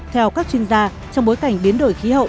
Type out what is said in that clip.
theo các chuyên gia trong bối cảnh biến đổi khí hậu